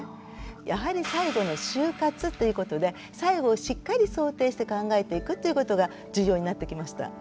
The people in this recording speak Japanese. やはり最後の終活ということで最後をしっかり想定して考えていくっていうことが重要になってきました。